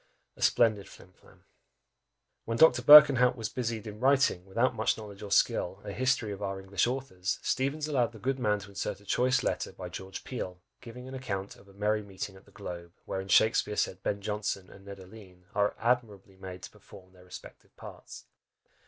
A splendid flim flam! When Dr. Berkenhout was busied in writing, without much knowledge or skill, a history of our English authors, Steevens allowed the good man to insert a choice letter by George Peele, giving an account of a "merry meeting at the Globe," wherein Shakspeare said Ben Jonson and Ned Alleyne are admirably made to perform their respective parts.